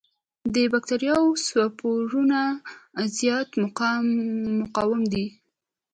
د بکټریاوو سپورونه زیات مقاوم دي.